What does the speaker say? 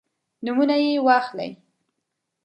نومونه یې واخلئ.